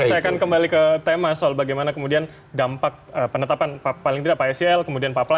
saya akan kembali ke tema soal bagaimana kemudian dampak penetapan